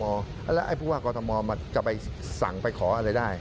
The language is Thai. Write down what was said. หากเขาผมหมายถึงว่ากรทมมันจะไปสั่งไปขออะไรได้